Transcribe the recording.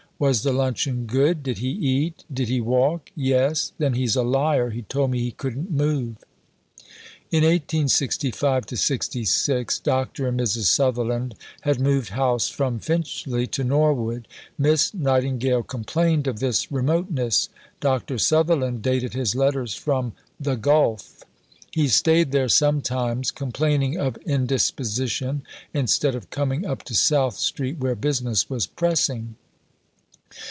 "Was the luncheon good? Did he eat?" "Did he walk?" "Yes." "Then he's a liar; he told me he couldn't move." In 1865 66 Dr. and Mrs. Sutherland had moved house from Finchley to Norwood. Miss Nightingale complained of this remoteness. Dr. Sutherland dated his letters from "The Gulf." He stayed there sometimes, complaining of indisposition, instead of coming up to South Street where business was pressing.